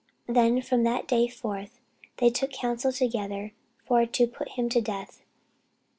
Then from that day forth they took counsel together for to put him to death.